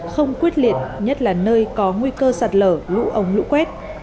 không quyết liệt nhất là nơi có nguy cơ sạt lở lũ ống lũ quét